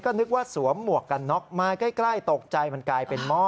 ก็นึกว่าสวมหมวกกันน็อกมาใกล้ตกใจมันกลายเป็นหม้อ